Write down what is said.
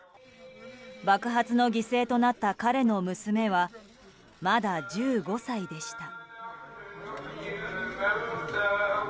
爆発の犠牲となった彼の娘はまだ１５歳でした。